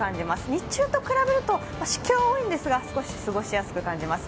日中と比べると湿気は多いんですが少し過ごしやすく感じます。